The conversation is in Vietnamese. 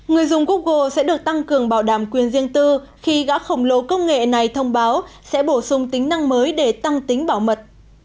người dùng google sẽ được tăng cường bảo đảm quyền riêng tư khi gã khổng lồ công nghệ này thông báo sẽ bổ sung tính năng mới để tăng tính bảo mật